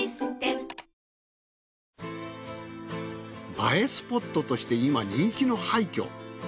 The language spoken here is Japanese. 映えスポットとして今人気の廃墟。